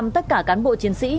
một trăm linh tất cả cán bộ chiến sĩ